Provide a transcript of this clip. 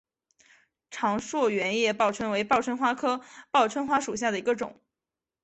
长蒴圆叶报春为报春花科报春花属下的一个种。